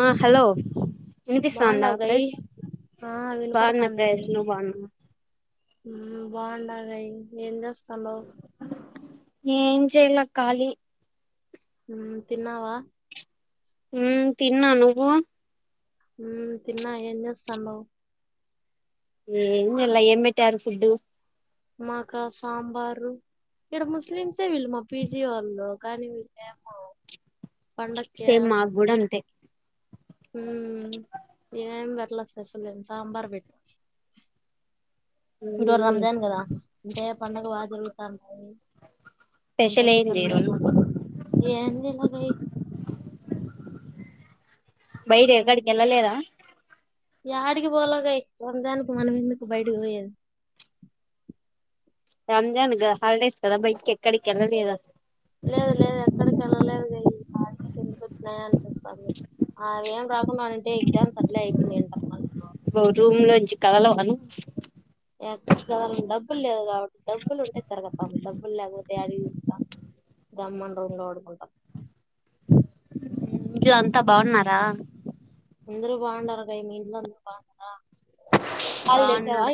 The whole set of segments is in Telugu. ఆ హలో వినిపిస్తాందా బాగుండవు అప్రె గయి ఆ బాన్న వినపడతాంది గయి ఫ్రెండ్స్ నువ్ బాన్న మ్మ్ బాన్న లే ఏం చేస్తన్నావ్ ఏం చేయలే కాళీ మ్మ్ తిన్నావా మ్మ్ తిన్నా నువ్వు మ్మ్ తిన్నా ఏం చేస్తన్నావ్ ఏం చేయలే ఏం పెట్టారు ఫుడ్డు మాకా సాంబారు ఇడ ముస్లిమ్సే వీళ్ళు మా పీజీ వాళ్ళు కానీ [inaudible] హే ఏం మాగ్గూడ పెట్లా అంతే మ్మ్ ఏం పెట్టలే స్పెషల్ ఏం సాంబార్ పెట్ ఈరోజు మ్మ్ రంజాన్ కదా అంటే పండగ బాగా జరుగుతాంది అంత స్పెషల్ ఏంది ఈ చికెన్లు, రోజు మటన్ ఏం తినలే అ బయట ఎక్కడికెళ్ళలేరా యాటికి పోలేదు ఏయ్ [unintelligible] మనం ఎందుకు బయటికి పోయేది రంజాన్గా పాటిస్తారా బయటికి ఎక్కడికి ఎల్లలేదా పోలే అండి ఆటికి ఒచ్చిన, ఈటికొచ్చినగానే అనిపిస్తంది అ ఏం రాకుండా అంటే ఎగ్జామ్ సెటిల్ అయిపోయింది అంట నువ్ రూమ్ లో నుంచి కదలవా నువ్ ఏం తీసుకోవాలో డబ్బులు లేవు డబ్బులు ఉంటే తిరుగుతాం. డబ్బులు లేకపోతే యాడికి తిరుగుతాం గమ్మున రూంలో పడుకుంట ఇంకేం అంతా బాగున్నారా అందరూ బాగున్నారు. [inaudible] అంతా బాగున్నారు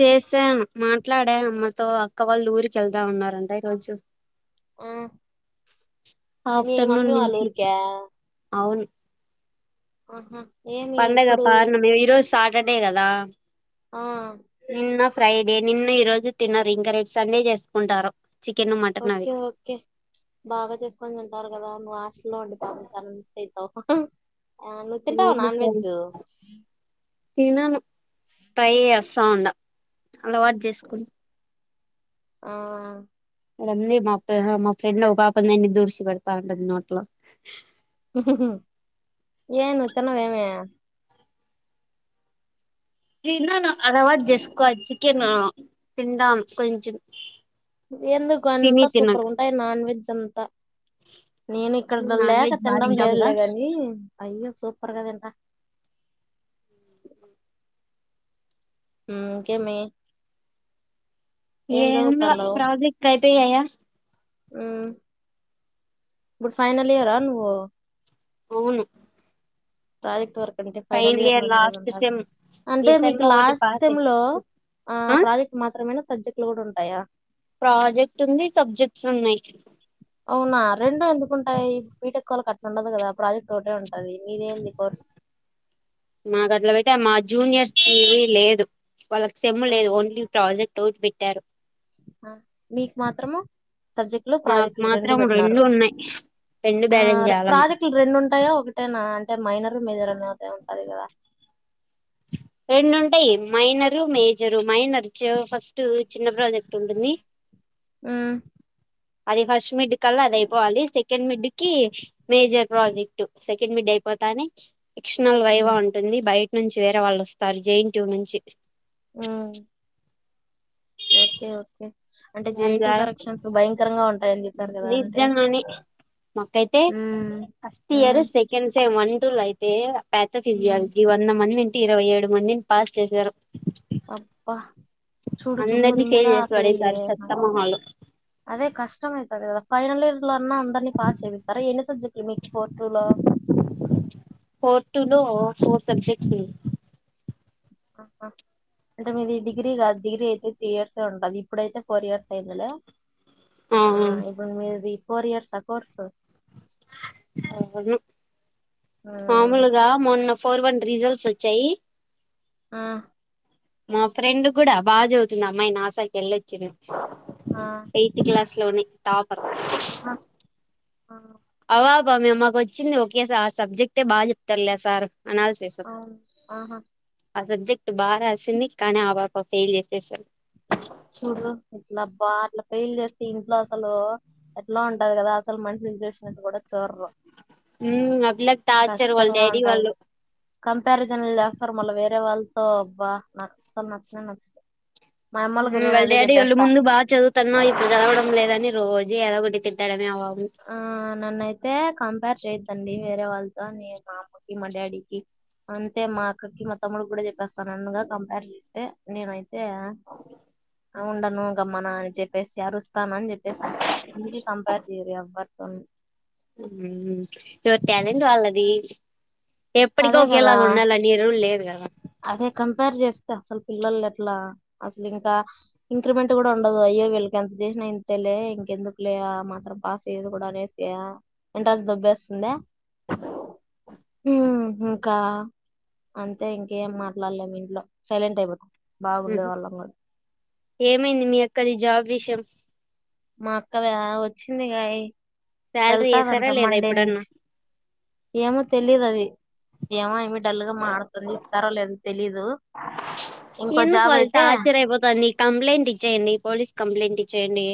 చేసాను మాట్లాడే అమ్మతో అక్క వాళ్ళు ఊరికి వెళ్తా అన్నారంట ఈ రోజు ఆ మీ మమ్మీ ఆఫ్టర్నూన్ వాళ్ళ నుంచి ఊరికా అవును మ్మ్ హ్మ్ పండగ పార్ణం ఈరోజు సాటర్డే కదా ఆ నిన్న ఫ్రైడే నిన్ను ఈ రోజు తిన్నది. ఇంకా రేపు సండే చేసుకుంటారు చికెన్ మటన్ అవి ఓకే ఓకే బాగా చేసుకొని తింటారు కదా నువ్వు హస్టల్లో ఉంటావు [unintelligible] ఆ నువ్ తింటావా నాన్ వెజ్ తినను ట్రై చేస్తా ఉన్నా అలవాటు చేసుకుం ఆ ఇగన్ని మా ఫె మా ఫ్రెండ్ ఒక పాపనిన్ని దూడ్చి పెడతావుంటది నోట్లో ఏ ను తినవేమి నెన్ను న అలవాటు జెస్కోవాలి చికెన్ తింటాం కొంచం ఎందుకు అంతా సూపర్గ ఉంటాయి నాన్ వెజ్ అంతా నేను నువ్వు ఇక్కడ నాన్ లేక వెజ్ బాగా తినడం తింటావు లేదు కదా లే గని అయ్యే సూపర్గ తింట చె మ్మ్ కేమి ఏందో ప్రాజెక్ట్లయిపోయాయ ఉమ్, ఫైనల్ ఇయరా నువ్? అవును ఫైనల్ ఇయర్ లాస్ట్ సెమ్ ఈ అంటే సెమ్ మీకు ఒకటి లాస్ట్ పాస్ సెమ్ అయి లో ఆ ప్రాజెక్ట్ మాత్రమేనా సబ్జెక్ట్లు గూడ ఉంటాయా? ప్రాజెక్ట్ ఉంది సబ్జెక్ట్స్ ఉన్నయి అవునా రెండు ఎందుకుంటాయి, బీటెక్ వాళ్ళకట్లుండదు గదా ప్రాజెక్ట్ ఒకటే ఉంటు మా దగ్గరైతే మా జూనియర్స్ కి లేదు వాళ్ళకి సెమ్ము లేదు ఓన్లీ ప్రాజెక్ట్ ఒకటి బెట్టారు. హ మీకు మాత్రము సబ్జెక్టులు, మాకు ప్రాజెక్టులు రెండు మాత్రం బెట్టినారు. ఉన్నాయి రెండు ఆ బ్యాలెన్స్ రె చేయాల ప్రాజెక్టులు రెండు ఉంటాయా ఒకటేనా అంటే మైనర్ మేజర్ అన్న అదే అదే గదా రెండుంటయి మైనరు, మేజరు. మైనర్ ఫస్ట్ చిన్న ప్రాజెక్ట్ ఉంటుంది ఉమ్ అది ఫస్ట్ మిడ్ అల్లా అదయిపోవాలి, సెకండ్ మిడ్ కి మేజర్ ప్రాజెక్ట్. సెకండ్ మిడ్ అయిపోతానే ఎక్షనల్ వైవా ఉమ్ ఉంటుంది బయట్ వేరే వాల్లోస్తారు జెన్ ఎన్ టి యు నుంచి ఉమ్ ఓకే ఓకే అంటే జె దాని ఎన్ టి యు ద్వారా కరెక్షన్స్ భయంకరంగా ఉంటాయని జెప్పారు గదా అంటే మకైతే ఉమ్ ఫస్ట్ ఇయర్ ఉమ్ సెకెండ్ సెమ్ అన్ టులైతే అయితే ఉమ్ ప్యాథోఫిజియాలజీ వంద మందింటే ఇరవై ఏడు మందిన్ పాస్ చేశారు అబ్బా చూడు దుమ్ము అందరినీ దుమ్ము గా చేసి ఫెయిల్ పడేసారు జేస్ చెత్త నారు మొహాలు అదే కష్టం అయితది గదా ఫైనల్ ఇయర్ లో అన్నా అందరినీ పాస్ చేపిస్తారా ఎన్ని సబ్జెక్ట్లు మీకు ఫోర్ టూ లో? ఫోర్ టూ లో ఫోర్ సబ్జెక్ట్స్ వున్ ఇంక ఆ అంటే మీది డిగ్రీ గాదు డిగ్రీ అయితే త్రీ ఇయర్సే ఉంటది, ఇప్పుడైతే ఫోర్ ఇయర్స్ అయిందిలే ఆ ఇప్పుడు మీది ఫోర్ ఇయర్స కోర్సు మామూలుగ మొన్న ఫోర్ వన్ రిజల్ట్స్ వచ్చాయి ఆ మా ఫ్రెండుగ్గుడా బా చదువుతుందామ్మాయి, నా సా కెళ్ళొచ్చింది ఆ ఎయిత్ క్లాస్ ట్లోనె టాపర్ ఆ ఆ బా బా మేమ్ మాకొచ్చింది ఓకే సార్ ఆ సబ్జెక్టే బా చెప్తర్లే ఆ సార్ అనాలిసిస్ ఆ ఆహా ఆ సబ్జెక్ట్ బా రాసింది కనీ ఆ పాపకు ఫెయిల్ చేసేసారు చూడు ఇట్లబ్బా అట్ల పెయిల్ జేస్తే ఇంట్లో అసలూ ఎట్లా ఉంటది గదా అసలు మంట్ చేసినట్టు గూడ చూడరు ఆ పిల్లకి టార్చర్ వాళ్ళ కష్టంగా డాడీ ఉంటాది వాళ్ళు కంపారిజన్లు జేస్తారు మళ్ళ వేరే వాళ్ కో అబ్బా నాకస్సలు నచ్చనే నచ్చలే ఉమ్ వాళ్ళ డాడీ ఓళ్ళు ముందు బా చదువుతన్నావు, ఇప్పుడు చదవడం లేదని రోజూ ఏదోగటి తిట్టడమ్ ఆ నన్నైతే కం కంపేర్ చేయద్దండి వేరే వాళ్ళతో నీ మా అమ్మకి మా డాడీకి అంతే మా అక్కకి మా తమ్ముడికి కూడ చెప్పేస్తాను అన్నగా కంపేర్ చేస్తే నేనైతే ఉండను గమ్మన అని చెప్పేసి అరుస్తాను అని చెప్పేసి అందుకే కంపేర్ [unintelligible] ఎవరి ట్యాలెంట్ వాళ్ళది ఎప్పటికి అదే కదా ఒకేలాగా ఉండాల నీ రూల్ లేదు కాద అదే కంపేర్ చేస్తే అసలు పిల్లలు ఎట్లా అసలు ఇంకా ఇంక్రిమెంట్ కూడా ఉండదు అ అయ్యో వీళ్ళకి ఎంత చేసినా ఇంతే లే ఇంకెందుకు లే ఆ మాత్రం పాస్ చేయ కూడా అనేసి ఇంట్రెస్ట్ స్తుంద ఇంకా అంతే ఇం ఏం మాట్లాడలేము ఇంట్లో సైలెంట్ అయిపో ఏమైంది మీ అక్కది జాబ్ విషం మా అక్కదా వచ్చింది గాయి శాలరీ వెళ్తాదంట వేసారా లేదా మండే ఇప్పుడన్నా నుంచి ఏమో తెలీదు అది ఏమో అయమ్మి డల్ గా మటతుంది ఇస్తారో లేదు తెలీదు ఇంకో ఎందుకు జాబ్ వాళ్ళు అయితే టార్చర్ అయిపోతుంది కంప్లైంట్ ఇచ్చేయండి పోలీస్ కంప్లైంట్ ఇచ్చేయండి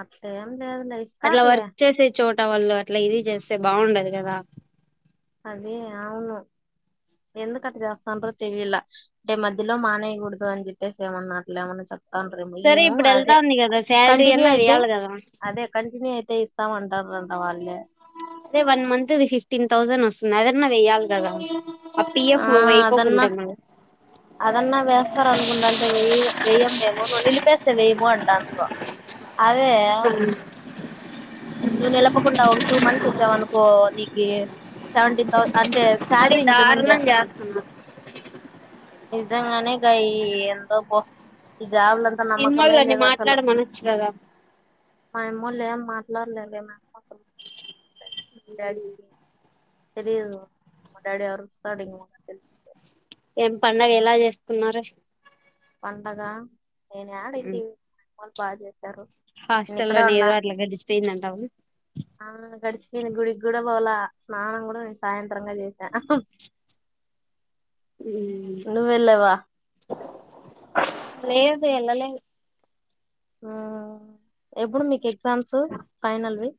అట్లే ఏం లేదులే అట్లా ఇస్తారులే వర్క్ చేసే చోట వాళ్ళు అట్లా ఇది చేస్తే బాగుండదు కదా అదే అవును ఎందుకు అట్ట చేస్తాండ్రో తెలియలా అంటే మధ్యలో మానేయ్యకూడదు అని చెప్పేసి ఏమన్నట్లే ఏమన్నా చెప్ప తండ్రి సరే మిమ్ము ఇప్పుడు వెళ్తా అదే ఉంది కదా శాలరీ కంటిన్యూ అన్నా యితే వేయాలి కదా అదే కంటిన్యూ యితే తే ఇస్తామంటారు అదే వన్ మంత్ ఇది ఫిఫ్టీన్ థౌసండ్ వస్తుంది అదన్నా వెయ్యాల కదా ఆ పిఎఫ్ వయికోకు ఉంటే అదన్నా వేస్తార అనుకుంట అంటే వె వెయ్యము మేము నువ్వు నిలిపేస్తే వెయ్యము అంటాండ్రు అ హు నువ్వు నిలపకుండా ఒక టూ మంత్స్ వచ్చావ అనుకో నీకు సెవెంటీన్ తౌసండ్ అంటే మరి శాలరీ ఇంక్రిమెంట్ దారుణం చేస్తాం చేస్తున్నారు ఇజంగానే గాయి ఎంధో పో జాబ్లంతా నమ్మకమే ఎన్నోళ్ళని లేదు అసలు మాట్లాడమనొచ్చు కదా మా అమ్మోళ్ళు ఏం మాట్లాడలేదే [unintelligible] తెలిదు మా డ్యాడీ అరుస్తాడు ఇంక తెలిస్తే ఏం పండగ ఎలా చేసుకున్నారు పండగ నేన్ యడ ఇంటి మల్ [unintelligible] హాస్టల్ల్లోనే ఏదో అట్లా గడిచిపోయిందంటావ ఆ గడిచపోన్ గుడికి కూడ బోలా స్నానం కూడ సాయంత్రం గ చేస వెళ్ళావా లేదు ఎలలే ఎప్పుడు మీకు ఎగ్జామ్స్ ఫైనల్వి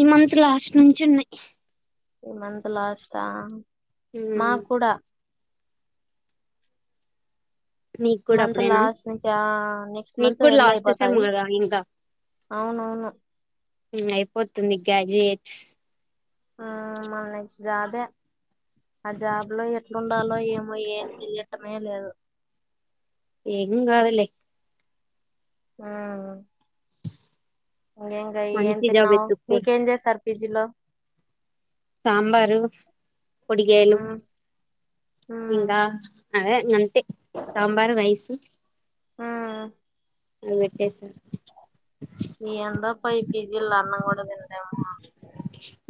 ఈ మంత్ లాస్ట్ నుంచి ఉన్నాయి ఈ మంత్ లాస్ట్ మా కూడ మీకు కూడా మంత్ అప్పుడేనా లాస్ట్ నుంచి ఆ నెక్స్ట్ మీకు మంత్ కూడా ఎండ్ లాస్ట్ సెమ్ అయిపోతాది కదా ఇంకా అవునవును అయిపోతుంది గ్రాడ్యుయేట్ ఆ మా నెక్స్ట్ జాబే ఆ జాబ్ లో ఎట్లుండాలో ఏమో ఏం తెలియటమే లేదు ఎం కాదులే ఆ ఇంగేగా ఏం మంచి జాబ్ తిన్నావు ఎతుక్కో మీకేం చేస్తారు పీజీలో? సాంబారు మ్ ఇంగా అదే ఇంగంతే సాంబారు, రైస్ ఆఁ అవెట్టేసారు ఈ ఎండకు పొయి పీజీలో అన్నం కూడా తినలేమ్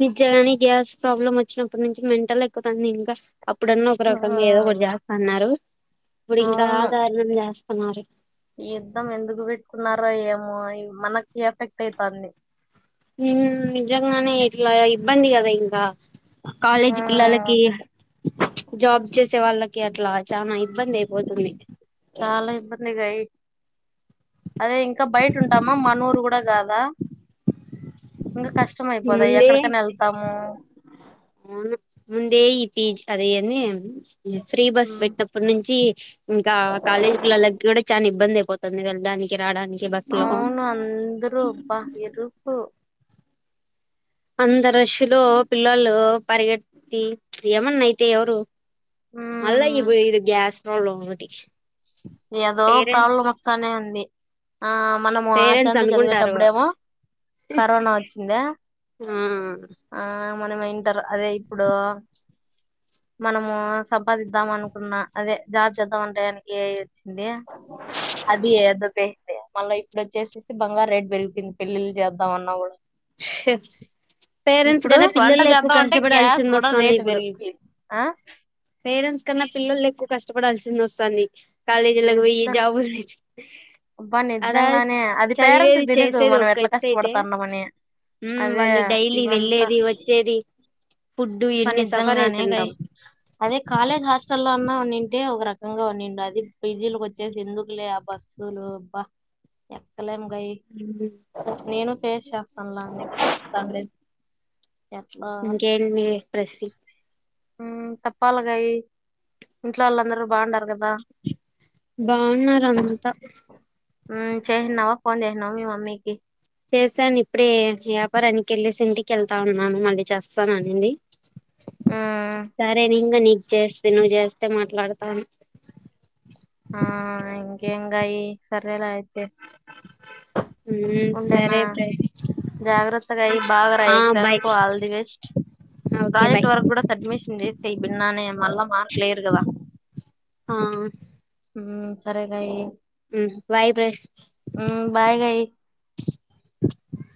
నిజంనే గ్యాస్ ప్రాబ్లమ్ వచ్చినప్పటి నుంచి మెంటల్ ఎక్కుతాంది ఇంక. అప్పుడన్న ఒక రకంగా ఏదో ఒకటి ఉమ్, చేస్తన్నరు, ఇప్పుడు ఇంకా అవును దారుణం చేస్తున్నారు. ఈ యుద్ధం ఎందుకు పెట్టుకున్నారో ఏమో, మనకి ఎఫెక్ట్ ఐతాందీ. హ్మ్ నిజంగానే ఇట్లా ఇబ్బంది కదా ఇంకా. కాలేజీ పిల్లలకి. జాబ్ చేసే వాళ్ళకి అట్లా చానా ఇబ్బంది అయిపోతుంది. చాలా ఇబ్బందిగయి అదే ఇంకా బయట ఉంటామా మానూరూ గూడ గాదా ఇంక కష్టం అయిపోదా ముందే ఎక్కడికన్నా వెళ్తాము. ఫీజ్ అది ఏంది ఫ్రీ బస్ ఉమ్. పెట్టినప్పడి నుంచి. ఇంకా కాలేజీ పిల్లలకి గూడ చాన ఇబ్బంది అయిపోతుంది వెళ్డానికి, రాడానికి. అవును అందరు అబ్బ ఎరుపు. అంత రష్ లో పిల్లలు పరిగెతి ఏమన్నా అయితే ఎవరు. మళ్ళ మ్మ్ ఇపు ఇది గ్యాస్ ప్రాబ్లమ్ ఒకటి. ఏదో పేరెంట్స్ ప్రాబ్లం వస్తానే ఉంది. ఆఁ మనము పేరెంట్స్ ఆత్రంతో అనుకుంటారు చదివేటప్పుడేమో. కరోనా వచ్చిందా ఆ ఆఁ మనం ఇంటర్ అదే ఇప్పుడు మనము సంపాదిద్దాము అనుకున్న అదే జాబ్ చేద్దం అనే టయానికి దే అది ఏద్దదైది మళ్ళ ఇప్పుడు వచ్చేసిది బంగారు రేట్ పెరిగింది పెళ్ళిళ్ చేద్దాం అన్నా గూడ. ష్ పేరెంట్స్ కన్న వంట పిల్లలే ఎక్కువ చేద్దాం అంటే గ్యాస్ కష్టపడాల్సింది కూడా వస్తుంది రేటు ఇప్పుడు. పెరిగిపోయింది ఆ పేరెంట్స్ కన్న పిల్లలు ఎక్కువ కష్టపడాల్సింది వస్తుంది. కాలేజలకు పోయి నిజం జాబులు తెచ్చు అబ్బా ఆడ నిజంగానే అది పేరెంట్స్ చదివేది కి తెలీదు చేసేది మనం ఒక ఎట్లా ఒకటైతే కష్టపడతాన్నామని హ్మ్ అదే వాళ్ళు డైలీ వెళ్ళేది వచ్చేది ఫుడ్ బ్బ ఎన్ని సఫర్ నిజంగానే గాయి అయితుంటాం అదే కాలేజ్ హాస్టల్ లో అన్నా ఉన్నిం అంటే ఒక రకంగా ఉనిండాది పీజీలుకు వచ్చేసి ఎందుకులే ఆ బస్సులు బ్బ ఎక్కలేము. గయ్ నేను ఫేస్ చేస్తా ఉండ్లా పంన్లే ఎట్లా ఏ ప్రెస్సి మ్ తప్పాలగాయి ఇంట్లో వాళ్లందరు బాంగుండ రు కదా బాగున్నారు అంతా హ్మ్ చేసినవా ఫోన్ చేసినావ మీ మమ్మీకి? చేశాను ఇప్పుడే వ్యాపారానికెళ్ళేసి ఇంటికి వెళ్తా ఉన్నాను మళ్ళీ చేస్తాననింది. మ్మ్ సరే నేన్గూడ నీక్ చేస్తే నువ్వు జేస్తే మాట్లాడతాను. ఆ ఇంకేం గాయి సరేలే అయితే. హ్మ్ సరే ఫ్రెం జాగ్రత్త గాయి బాగ రాయి exam all the best. Okay bye project work గూడ సడ్మిషన్ జేస్సేయ్ బిన్నానే మళ్ళ మార్కులెయ్యరు గదా. ఆఁ హ్మ్ సరే గాయ్ బాయ్ ప్రెస్ హమ్ బాయ్ గాయ్.